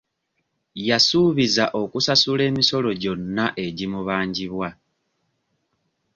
Yasuubiza okusasula emisolo gyonna egimubanjibwa.